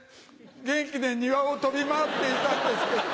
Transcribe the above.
元気で庭を飛び回っていたんですけど。